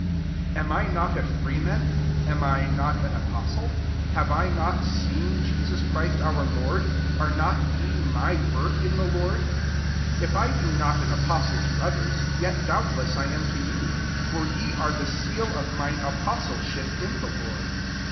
1 Am I not a fra man ? am I hot an apostil have I not seen Jesus Chil our Lord ? are not ye my wd in the Lord ? 2 If I be not^ apostle to othei*s, yet doabtM I am to you : for 3ice are i seal of mine apostlesbip inti Lord.